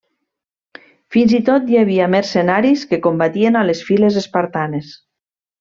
Fins i tot hi havia mercenaris que combatien a les files espartanes.